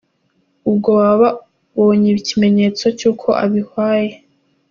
Ubwo baba babonye ikimenyetso cy’uko abwihaye;